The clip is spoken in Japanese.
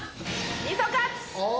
みそカツ。